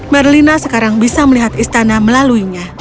merlina sekarang bisa melihat istana melaluinya